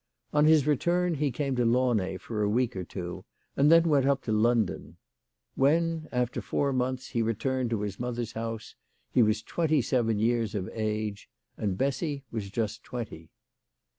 On his return he came to Launay for a week or two, and then went up to London. When, after four months, he returned to his mother's house, he was twenty seven years of age ; and Bessy was just twenty.